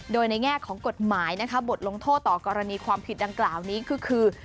โดยในแง่ของกฎหมายนะคะบทลงโทษต่อกรณีความผิดดังกล่าวนี้ก็คือ